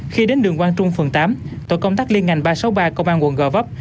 khi đến đường quang trung phường tám tổ công tác liên ngành ba trăm sáu mươi ba công an quận gò vấp